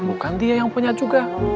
bukan dia yang punya juga